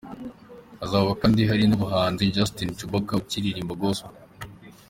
Hazaba kandi hari n'umuhanzi Justin Cubaka uririmba gospel.